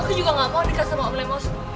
aku juga gak mau dikasih sama om lemos